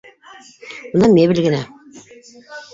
— Бына мебель генә